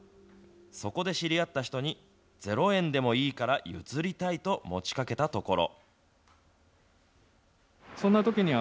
そこで知り合った人に、０円でもいいから譲りたいと持ちかけたところ。